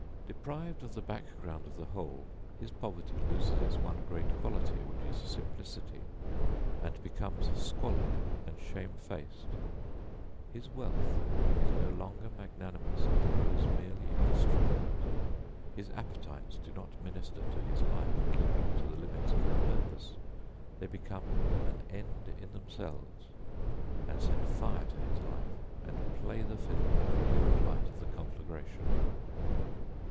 Deprived of the background of the whole, his poverty loses its one great quality, which is simplicity, and becomes squalid and shamefaced. His wealth is no longer magnanimous; it grows merely extravagant. His appetites do not minister to his life, keeping to the limits of their purpose; they become an end in themselves and set fire to his life and play the fiddle in the lurid light of the conflagration.